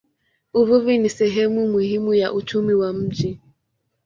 Uvuvi ni sehemu muhimu ya uchumi wa mji.